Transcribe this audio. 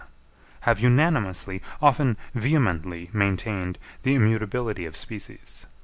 have unanimously, often vehemently, maintained the immutability of species.